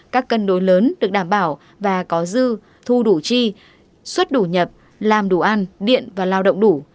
các cân đối lớn được đảm bảo và có dư thu đủ chi xuất đủ nhập làm đủ ăn điện và lao động đủ